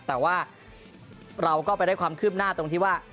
แต่ว่าเราก็ไปได้ความคืบหน้าตรงที่ว่า